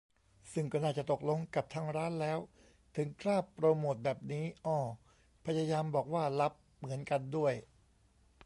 ซึ่งก็น่าจะตกลงกับทางร้านแล้ว ถึงกล้าโปรโมตแบบนี้ อ้อ พยายามบอกว่า "ลับ" เหมือนกันด้วย